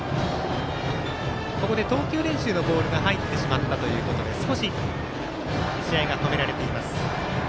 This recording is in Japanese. ここで投球練習のボールが入ってしまったということで少し試合が止められています。